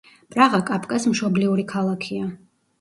პრაღა კაფკას მშობლიური ქალაქია.